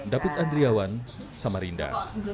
dapet andriawan samarinda